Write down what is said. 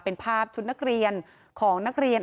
เป็นภาพชุดนักเรียนของนักเรียน